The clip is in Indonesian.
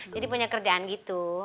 jadi punya kerjaan gitu